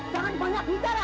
jangan diperlukan pak